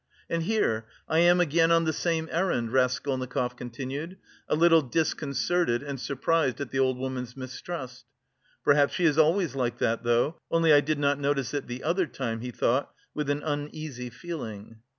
"And here... I am again on the same errand," Raskolnikov continued, a little disconcerted and surprised at the old woman's mistrust. "Perhaps she is always like that though, only I did not notice it the other time," he thought with an uneasy feeling.